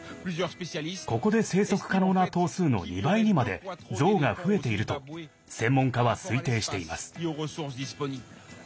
ここで生息可能な頭数の２倍にまでゾウが増えていると専門家は推定しています。